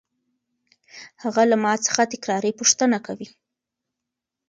هغه له ما څخه تکراري پوښتنه کوي.